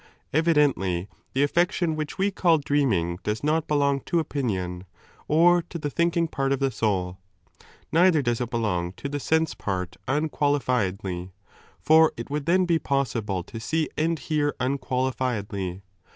Evidently the afi'ection which we call dreaming does not 9 belong to opinion or to the thinking part of the soul. Neither does it belong to the sense part unqualifiedly. For it would tlien be possible to see and hear unqualifiedly.